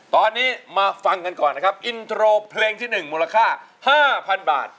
ตอนนี้มาฟังกันก่อนนะครับอินโทรเพลงที่๑มูลค่า๕๐๐๐บาท